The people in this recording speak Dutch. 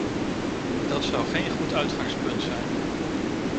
Dat zou geen goed uitgangspunt zijn.